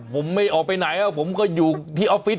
ผมไม่ออกไปไหนแล้วผมก็อยู่ที่ออฟฟิศ